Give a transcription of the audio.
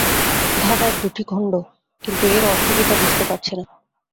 ধাঁধার দুটি খণ্ড, কিন্তু এর অর্থ কী তা বুঝতে পারছি না।